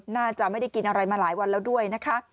น่าจะไม่ได้กินอะไรมาหลายวันแล้วด้วยนะคะ